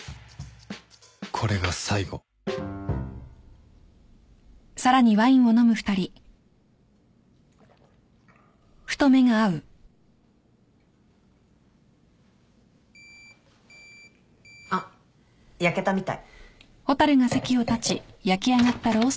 これが最後・あっ焼けたみたい。